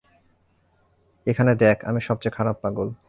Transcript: এখানে দেখ, আমি সবচেয়ে খারাপ পাগল।